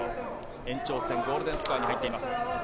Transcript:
延長戦、ゴールデンスコアに入っています。